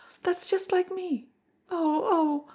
That is just like me. Oh! oh!"